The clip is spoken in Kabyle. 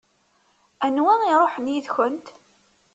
Anwa i iṛuḥen yid-kent?